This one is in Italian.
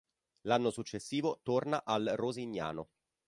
L'anno successivo torna al Rosignano.